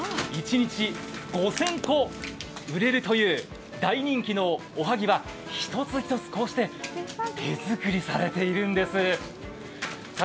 一日５０００個売れるという大人気のおはぎは一つ一つこうして手作りされているんです。